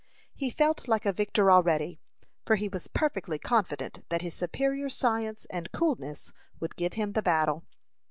He felt like a victor already, for he was perfectly confident that his superior science and coolness would give him the battle.